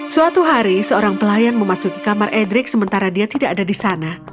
suatu hari seorang pelayan memasuki kamar edrik sementara dia tidak ada di sana